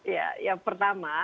ya yang pertama ya